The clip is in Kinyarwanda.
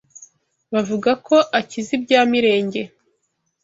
bavuga ngo «Akize ibya Mirenge»